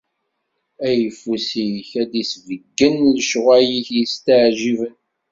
Ayeffus-ik ad d-isbeyyen lecɣwal-ik yesteɛǧiben.